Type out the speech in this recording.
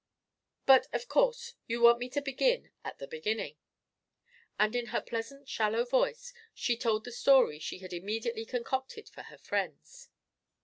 "But, of course, you want me to begin at the beginning." And in her pleasant shallow voice, she told the story she had immediately concocted for her friends.